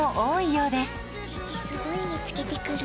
父すごい見つけてくる。